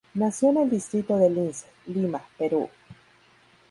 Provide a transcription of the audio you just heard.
Nació en el distrito de Lince, Lima, Perú.